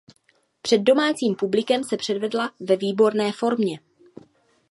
Před domácím publikem se předvedla ve výborné formě.